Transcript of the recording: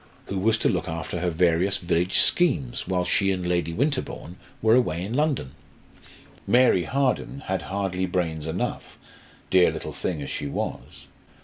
Who was to look after her various village schemes while she and Lady Winterbourne were away in London? Mary Harden had hardly brains enough, dear little thing as she was.